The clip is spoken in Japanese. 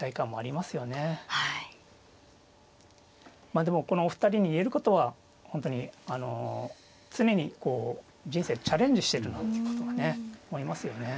まあでもこのお二人に言えることは本当にあの常にこう人生チャレンジしてるなんていうことがね思いますよね。